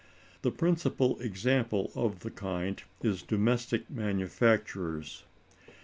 The principal example of the kind is domestic manufactures.